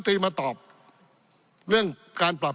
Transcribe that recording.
ปี๑เกณฑ์ทหารแสน๒